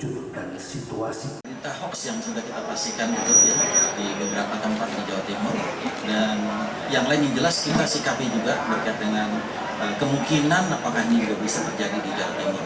kita sikapi juga berkait dengan kemungkinan apakah ini bisa terjadi di jawa timur